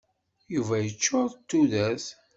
Yuba yeččuṛ d tudert.